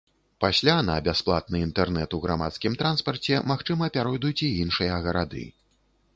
Пасля на бясплатны інтэрнэт у грамадскім транспарце, магчыма, пяройдуць і іншыя гарады.